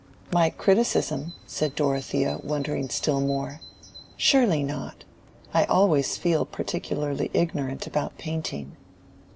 "My criticism?" said Dorothea, wondering still more. "Surely not. I always feel particularly ignorant about painting."